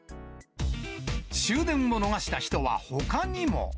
終電を逃した人はほかにも。